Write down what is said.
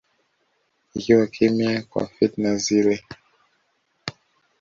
ikiwa kimya kwa fitna zile